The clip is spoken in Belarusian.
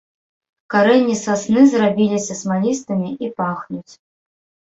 Карэнні сасны зрабіліся смалістымі і пахнуць.